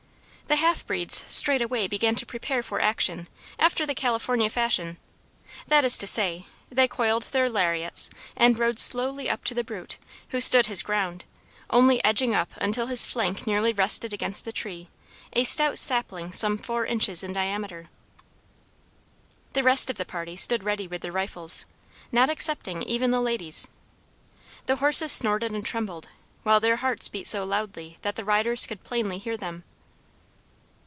The half breeds straightway began to prepare for action, after the California fashion, that is to say, they coiled their "lariats," and rode slowly up to the brute, who stood his ground, only edging up until his flank nearly rested against the tree, a stout sapling some four inches in diameter. The rest of the party stood ready with their rifles, not excepting even the ladies. The horses snorted and trembled, while their hearts beat so loudly that the riders could plainly hear them.